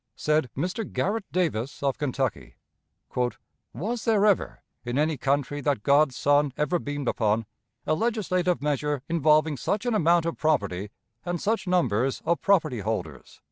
Said Mr. Garrett Davis, of Kentucky: "Was there ever, in any country that God's sun ever beamed upon, a legislative measure involving such an amount of property and such numbers of property holders?"